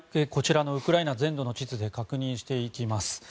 こちらのウクライナ全土の地図で確認していきます。